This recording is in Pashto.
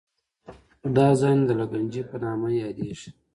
دا ځایونه د لګنچې په نامه یادېږي.